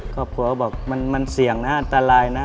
ครอบครัวบอกมันเสี่ยงนะอันตรายนะ